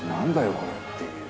これっていう。